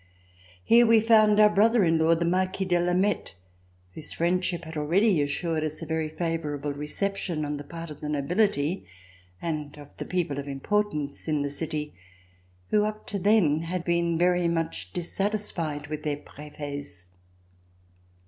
Here we found our brother in law, the Marquis de Lameth, whose friendship had already assured us a very favorable reception on the part of the nobility and of the people of importance in the city, who up to then had been very much dissatisfied with their Prefets.